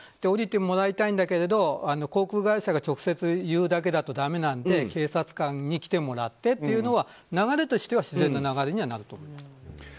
降りてもらいたいんだけど航空会社が直接言うだけだとだめなので警察官に来てもらってというのが流れとしては自然な流れになると思います。